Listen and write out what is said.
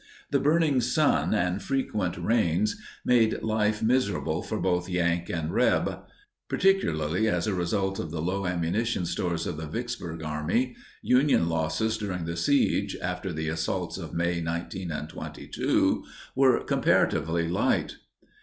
The burning sun and frequent rains made life miserable for both "Yank" and "Reb." Particularly as a result of the low ammunition stores of the Vicksburg army, Union losses during the siege, after the assaults of May 19 and 22, were comparatively light.